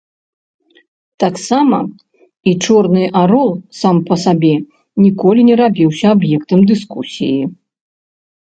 Таксама і чорны арол сам па сабе ніколі не рабіўся аб'ектам дыскусіі.